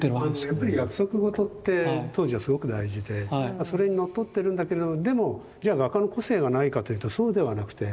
やっぱり約束事って当時はすごく大事でそれにのっとってるんだけれどもでもじゃあ画家の個性がないかというとそうではなくて。